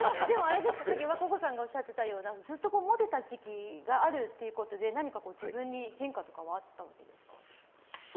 さっき和歌子さんがおっしゃってたようなずっとモテた時期があるということで何か自分に変化とかはあったんですか？